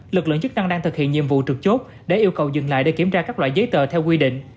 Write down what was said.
lực lượng chức năng đang thực hiện nhiệm vụ trực chốt để yêu cầu dừng lại để kiểm tra các loại giấy tờ theo quy định